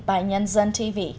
by nhân dân tv